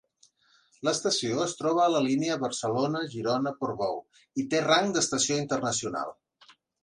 L'estació es troba a la línia Barcelona-Girona-Portbou i té rang d'estació internacional.